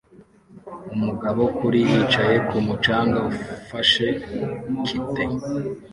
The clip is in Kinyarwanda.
Umugabo kuri yicaye kumu canga ufashe kite